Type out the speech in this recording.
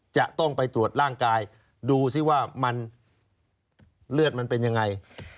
จะต้องไปตรวจร่างกายดูซิว่ามันเลือดมันเป็นยังไง